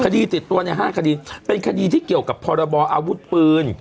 ติดตัวใน๕คดีเป็นคดีที่เกี่ยวกับพรบออาวุธปืน